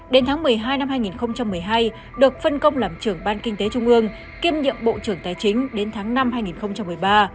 đến tháng một mươi hai năm hai nghìn một mươi hai được phân công làm trưởng ban kinh tế trung ương kiêm nhiệm bộ trưởng tài chính đến tháng năm hai nghìn một mươi ba